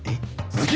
鈴木！